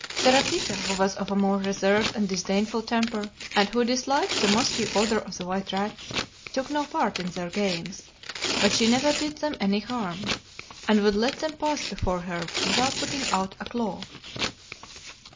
Seraphita, who was of a more reserved and disdainful temper, and who disliked the musky odor of the white rats, took no part in their games; but she never did them any harm, and would let them pass before her without putting out a claw.